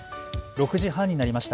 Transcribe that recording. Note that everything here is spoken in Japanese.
６時半になりました。